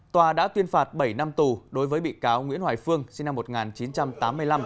tòa đã tuyên phạt bảy năm tù đối với bị cáo nguyễn hoài phương sinh năm một nghìn chín trăm tám mươi năm